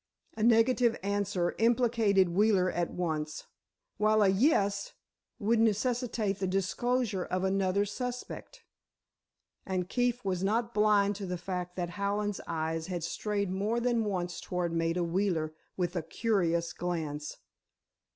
A negative answer implicated Wheeler at once—while a "yes," would necessitate the disclosure of another suspect. And Keefe was not blind to the fact that Hallen's eyes had strayed more than once toward Maida Wheeler with a curious glance.